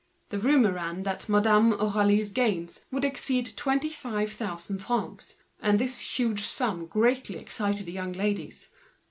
The rumor ran that Madame Aurélie would exceed twenty five thousand francs; and this immense sum greatly excited the young ladies.